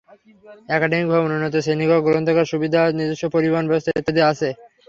Academic ভবন, উন্নত শ্রেণীকক্ষ, গ্রন্থাগার সুবিধা, নিজস্ব পরিবহন ব্যবস্থা ইত্যাদি আছে।